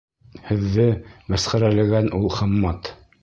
— Һеҙҙе мәсхәрәләгән ул Хаммат.